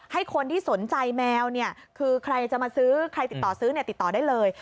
ให้คนที่สนใจแมวเนี่ยคือใครจะมาซื้อใครติดต่อซื้อเนี่ยติดต่อได้เลย